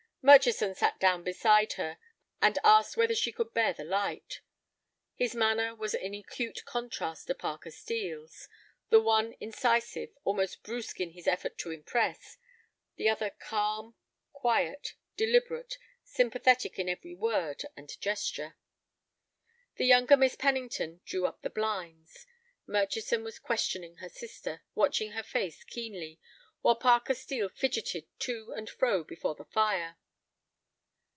Murchison sat down beside her, and asked whether she could bear the light. His manner was in acute contrast to Parker Steel's; the one incisive, almost brusque in his effort to impress; the other calm, quiet, deliberate, sympathetic in every word and gesture. The younger Miss Pennington drew up the blinds. Murchison was questioning her sister, watching her face keenly, while Parker Steel fidgeted to and fro before the fire.